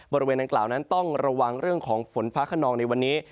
บริเวณดังกล่าวนั้นต้องระวังเรื่องของฝนฟ้าขนองในวันนี้